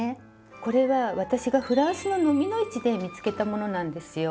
これは私がフランスの蚤の市で見つけたものなんですよ。